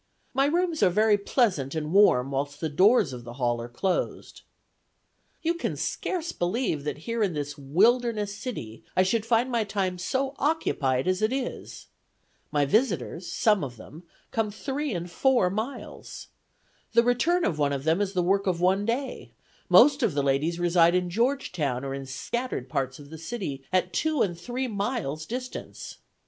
My rooms are very pleasant and warm whilst the doors of the hall are closed. "You can scarce believe that here in this wilderness city, I should find my time so occupied as it is. My visitors, some of them, come three and four miles. The return of one of them is the work of one day; most of the ladies reside in Georgetown or in scattered parts of the city at two and three miles distance.